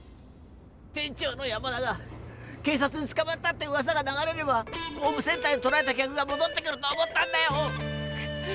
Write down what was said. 店長の山田が警さつにつかまったってうわさが流れればホームセンターに取られた客がもどってくると思ったんだよ！